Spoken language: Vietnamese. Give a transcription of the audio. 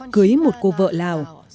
cưới một cô vợ lào